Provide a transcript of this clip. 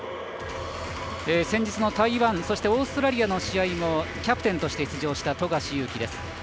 先日の台湾、そしてオーストラリアの試合もキャプテンとして出場した富樫勇樹です。